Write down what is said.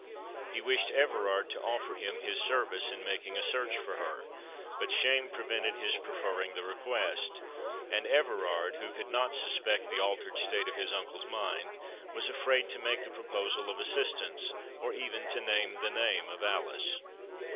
He wished Everard to offer him his service in making a search for her, but shame prevented his preferring the request; and Everard, who could not suspect the altered state of his uncle's mind, was afraid to make the proposal of assistance, or even to name the name of Alice.